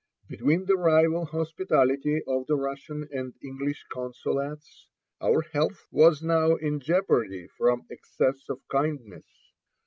Between the rival hospitality of the Russian and English consulates our health was now in jeopardy from excess of kindness.